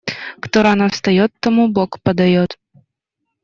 Кто рано встаёт, тому Бог подаёт.